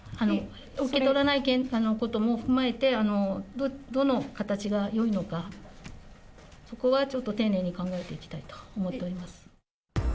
受け取らないことも踏まえて、どの形がよいのか、そこはちょっと丁寧に考えていきたいと思っております。